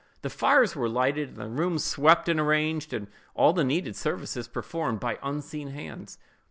The fires were lighted, and the rooms swept and arranged, and all the needful services performed, by unseen hands.